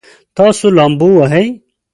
تاسو لامبو وهئ؟